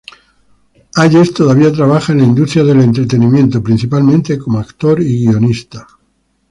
Hayes todavía trabaja en la industria del entretenimiento, principalmente como actor y guionista.